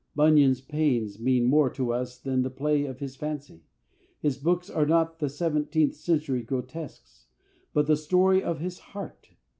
Bunyan's pains mean more to us than the play of his fancy. His books are not seventeenth century grotesques, but the story of his heart.